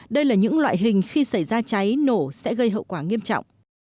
đây là những loại hình khi xảy ra cháy nổ sẽ gây hậu quả nghiêm trọng